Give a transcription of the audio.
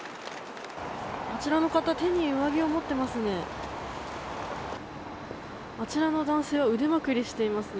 あちらの方、手に上着を持っていますね。